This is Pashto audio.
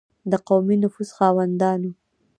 د قومي نفوذ خاوندانو.